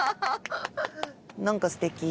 何かすてき。